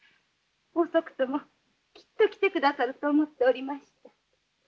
遅くともきっと来てくださると思っておりました。